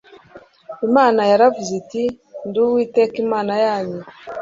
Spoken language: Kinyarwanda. Imana yaravuze iti Ndi Uwiteka Imana yanyu